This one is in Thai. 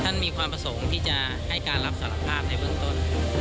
มีความประสงค์ที่จะให้การรับสารภาพในเบื้องต้น